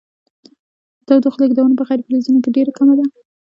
د تودوخې لیږدونه په غیر فلزونو کې ډیره کمه ده.